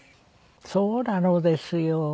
そうなのですよ。